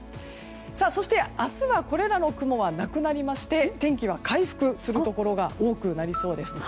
そして、明日はこれらの雲はなくなりまして天気が回復するところが多くなりそうです。